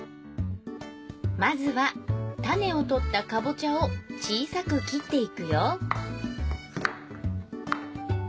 まずは種を取ったかぼちゃを小さく切っていくよ